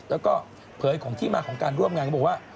แล้วก็เผยของที่มาของการร่วมงานก็บอกว่า